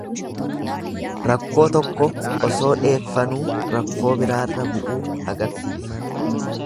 Rakkoo tokko osoo dheeffanuu rakkoo biraarra bu'uu agarsiisa.